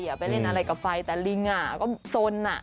ไปเล่นอะไรกับไฟแต่ลิงก็สน